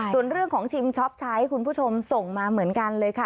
ส่วนเรื่องของชิมช็อปใช้คุณผู้ชมส่งมาเหมือนกันเลยค่ะ